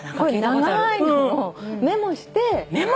長いのをメモして。